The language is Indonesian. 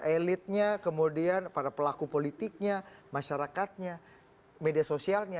elitnya kemudian para pelaku politiknya masyarakatnya media sosialnya